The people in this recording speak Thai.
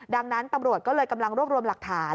ดังนั้นตำรวจก็เลยกำลังรวบรวมหลักฐาน